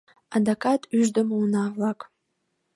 «Адакат ӱждымӧ уна-влак!